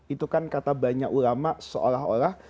itu kan kata banyak ulama seolah olah